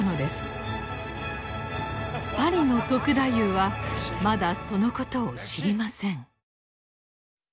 パリの篤太夫はまだそのことを知りません。